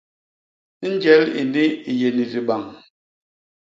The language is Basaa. Njel ini i yé ni dibañ.